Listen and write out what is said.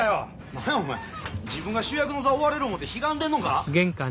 ・何やお前自分が主役の座追われる思うてひがんでんのか？